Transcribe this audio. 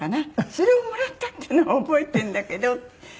それをもらったっていうのは覚えてるんだけどって言ったの。